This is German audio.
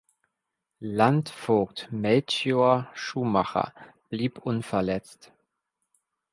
Landvogt Melchior Schumacher blieb unverletzt.